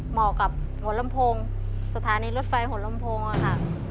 เพราะมีที่เหมาะกับสถานีรถไฟหลดลำโพงอะค่ะ